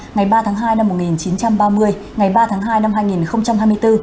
ngày ba tháng hai năm một nghìn chín trăm ba mươi ngày ba tháng hai năm hai nghìn hai mươi bốn